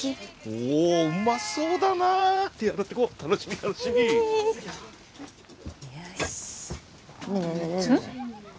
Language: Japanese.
おおうまそうだな手洗ってこう楽しみ楽しみよしねえねえうん？